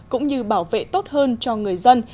cũng như bảo vệ tốt hơn cho người dân